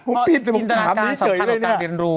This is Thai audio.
ผมผิดผมถามนี้เกยกด้วยนี่จินตนาการสำคัญกว่าการเรียนรู้